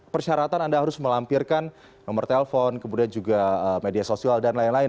persyaratan anda harus melampirkan nomor telepon kemudian juga media sosial dan lain lain